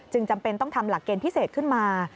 จำเป็นต้องทำหลักเกณฑ์พิเศษขึ้นมา